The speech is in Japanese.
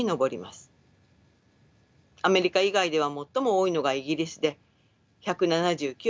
アメリカ以外では最も多いのがイギリスで１７９人。